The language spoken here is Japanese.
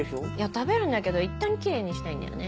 食べるんだけどいったんキレイにしたいんだよね。